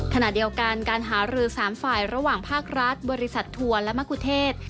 ขณะเดียวกันการหารือ๓ฝ่ายระหว่างภาครัฐบริษัททัวร์และมะกุเทศ